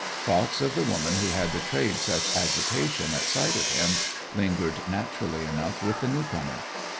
'Thoughts of the woman who had betrayed such agitation at sight of him lingered naturally enough with the newcomer.